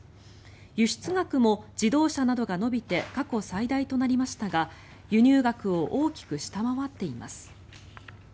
輸出額も自動車などが伸びて過去最大となりましたが輸入額を大きく下回っています。